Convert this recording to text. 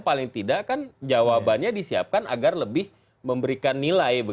paling tidak kan jawabannya disiapkan agar lebih memberikan nilai